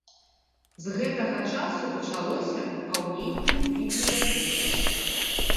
З гэтага часу пачалося папаўненне бібліятэкі.